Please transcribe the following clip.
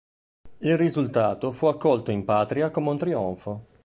Il risultato fu accolto in patria come un trionfo.